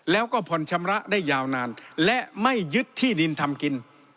แล้วก็ผ่อนชำระได้ยาวนานและไม่ยึดที่ดินทำกิน